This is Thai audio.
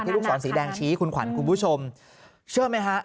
ลูกศรสีแดงชี้คุณขวัญคุณผู้ชมเชื่อไหมฮะ